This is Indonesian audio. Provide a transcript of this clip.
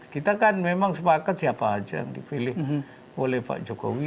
kita kan memang sepakat siapa aja yang dipilih oleh pak jokowi